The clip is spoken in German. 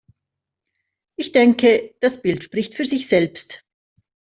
Ich denke, das Bild spricht für sich selbst.